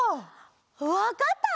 わかった！